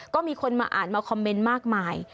ก็มีคนมาอ่านมาคอมเมนต์มากมาย